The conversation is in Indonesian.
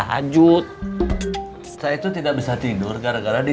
saya juga tidak bisa tidur karena ditengkap